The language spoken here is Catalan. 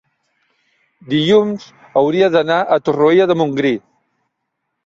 dilluns hauria d'anar a Torroella de Montgrí.